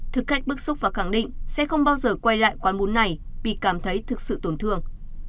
thực cách bức xúc và khẳng định sẽ không bao giờ quay lại quán bún này vì cảm thấy thực sự tổn thương